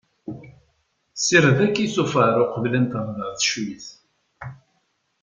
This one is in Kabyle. Ssired akk isufar uqbel aten-terreḍ ar teccuyt.